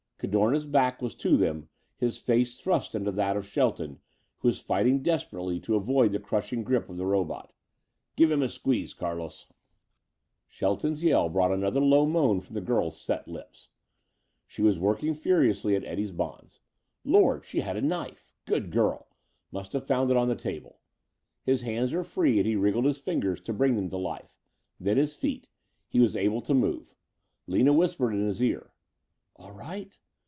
Cadorna's back was to them, his face thrust into that of Shelton, who was fighting desperately to avoid the crushing grip of the robot. "Give him a squeeze, Carlos." Shelton's yell brought another low moan from the girl's set lips. She was working furiously at Eddie's bonds. Lord, she had a knife! Good girl! Must have found it on the table. His hands were free and he wriggled his fingers to bring them to life. Then his feet. He was able to move. Lina whispered in his ear. "All right?"